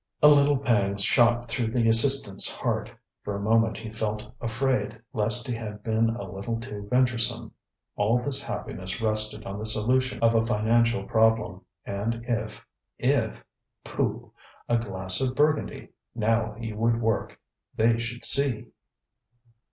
ŌĆØ A little pang shot through the assistantŌĆÖs heart; for a moment he felt afraid, lest he had been a little too venturesome. All his happiness rested on the solution of a financial problem, and if, if.... Pooh! A glass of Burgundy! Now he would work! They should see!